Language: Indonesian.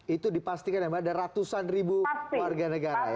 itu dipastikan ya ada ratusan ribu warga negara ya